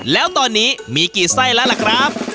แล้วตอนนี้มีกี่ไส้แล้วล่ะครับ